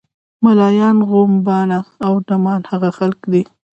ملایان، غوبانه او ډمان هغه خلک دي.